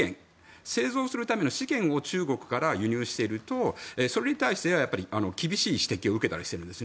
製造するための資源を中国から輸入しているとそれに対して厳しい指摘を受けたりしているんです。